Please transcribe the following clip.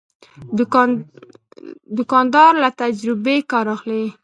دوکاندار له تجربې کار اخلي.